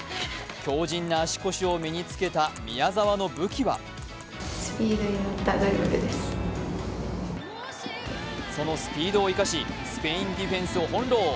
強じんな足腰を身につけた宮澤の武器はそのスピードを生かしスペインディフェンスを翻弄。